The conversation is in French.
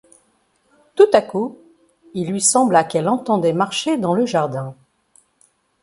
Tout à coup il lui sembla qu’elle entendait marcher dans le jardin.